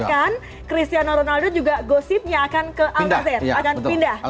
bahkan cristiano ronaldo juga gosipnya akan ke al azhar